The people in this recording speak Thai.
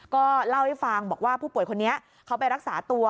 ก็เล่าให้ฟังบอกว่าผู้ป่วยคนนี้เขาไปรักษาตัว